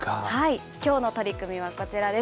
きょうの取組はこちらです。